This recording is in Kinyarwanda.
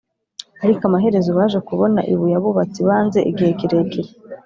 ariko amaherezo baje kubona ibuye abubatsi banze igihe kirekire